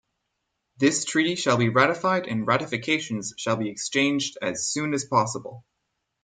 This Treaty shall be ratified and ratifications shall be exchanged as soon as possible.